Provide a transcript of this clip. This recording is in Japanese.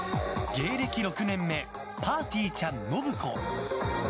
芸歴６年目ぱーてぃーちゃん信子。